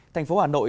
thành phố hà nội